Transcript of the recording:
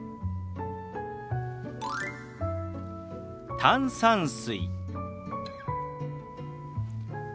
「炭酸水」。